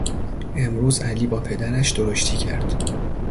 امروز علی با پدرش درشتی کرد.